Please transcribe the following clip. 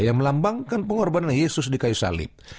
yang melambangkan pengorbanan yesus di kayu salib